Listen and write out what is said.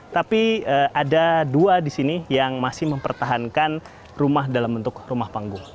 tapi ada dua di sini yang masih mempertahankan rumah dalam bentuk rumah panggung